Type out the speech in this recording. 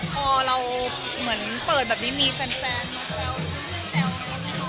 พอเราเหมือนเปิดแบบนี้มีแฟนมาแซวคุณเป็นแซวมากมายค่ะ